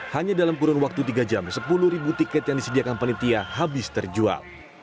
hanya dalam kurun waktu tiga jam sepuluh ribu tiket yang disediakan penitia habis terjual